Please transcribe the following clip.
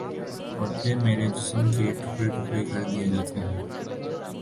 اور پھر میرے جسم کے ٹکڑے ٹکڑے کر دیے جاتے ہیں